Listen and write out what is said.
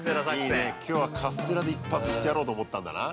いいね、今日はカステラで一発いってやろうと思ったんだな。